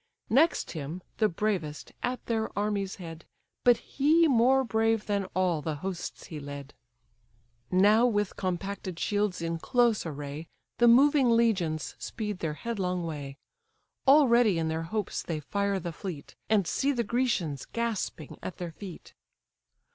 Next him, the bravest, at their army's head, But he more brave than all the hosts he led. Now with compacted shields in close array, The moving legions speed their headlong way: Already in their hopes they fire the fleet, And see the Grecians gasping at their feet.